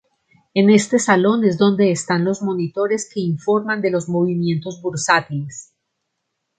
En este salón es donde están los monitores que informan de los movimientos bursátiles.